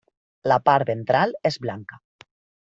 La part ventral és blanca.